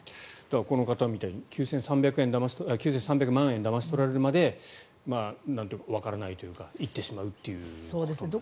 この方みたいに９３００万円だまし取られるまでわからないというかいってしまうということですね。